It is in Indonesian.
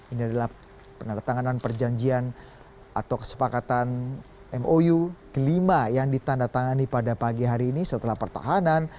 ini adalah penandatanganan perjanjian atau kesepakatan mou kelima yang ditandatangani pada pagi hari ini setelah pertahanan